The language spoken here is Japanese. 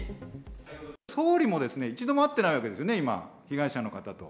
総理もですね、一度も会ってないわけですよね、今、被害者の方と。